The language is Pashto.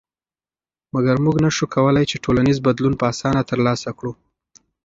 مګر موږ نشو کولی چې ټولنیز بدلون په اسانه تر لاسه کړو.